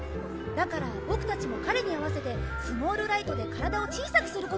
だからボクたちも彼に合わせてスモールライトで体を小さくすることにしたんだ